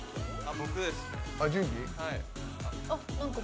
僕ですね。